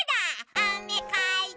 「あめかいて」